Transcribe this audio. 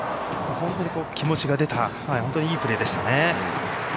本当に気持ちが出たいいプレーでしたね。